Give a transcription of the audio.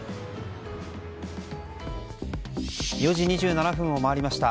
４時２７分を回りました。